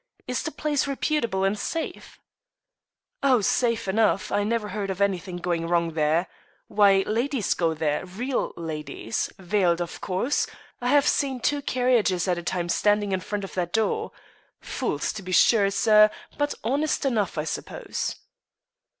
"Is the place reputable and safe?" "Oh, safe enough; I never heard of anything going wrong there. Why, ladies go there; real ladies; veiled, of course. I have seen two carriages at a time standing in front of that door. Fools, to be sure, sir; but honest enough, I suppose."